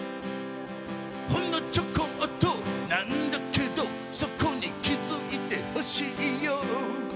ほんのちょこっとなんだけどそこに気づいてほしいよ。